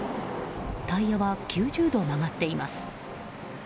タイヤは９０度曲がっています。